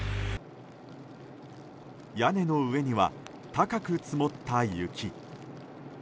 屋根の上には高く積もった雪。